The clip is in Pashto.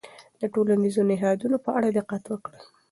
د ټولنیزو نهادونو په اړه دقت وکړئ.